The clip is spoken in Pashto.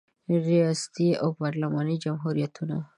ریاستي او پارلماني جمهوریتونه